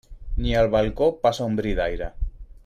Ni al balcó passa un bri d'aire.